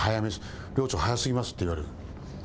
寮長、早過ぎますって言われる。